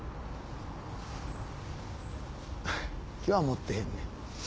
今日は持ってへんねん。